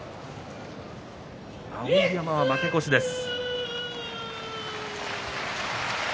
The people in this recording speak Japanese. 碧山は負け越しです。